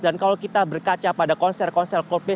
dan kalau kita berkaca pada konser konser coldplay